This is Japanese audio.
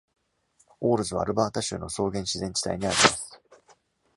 オールズはアルバータ州の草原自然地帯にあります。